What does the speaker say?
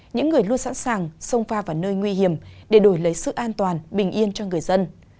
những người luôn sẵn sàng sông pha vào nơi nguy hiểm để đổi lấy sự an toàn bình yên cho người dân